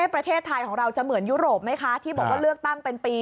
ประเทศไทยของเราจะเหมือนยุโรปไหมคะที่บอกว่าเลือกตั้งเป็นปี